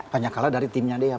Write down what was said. hanya kalah dari timnya dia